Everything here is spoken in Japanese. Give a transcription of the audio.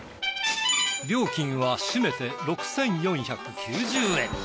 料金は締めて６，４９０円。